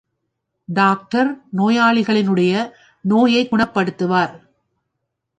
Doctor நோயாளியினுடைய நோயைக் குணப்படுத்துவார்.